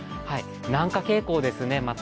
なんか傾向ですね、また。